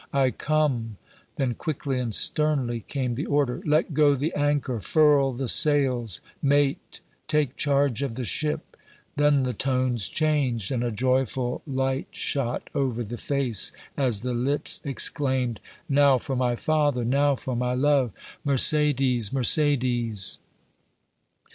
I come!" Then quickly and sternly came the order, "Let go the anchor furl the sails mate, take charge of the ship!" Then the tones changed, and a joyful light shot over the face as the lips exclaimed, "Now for my father! now for my love! Mercédès! Mercédès!"